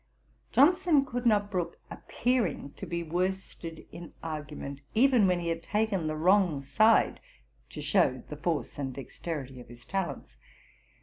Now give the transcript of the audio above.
Johnson could not brook appearing to be worsted in argument, even when he had taken the wrong side, to shew the force and dexterity of his talents.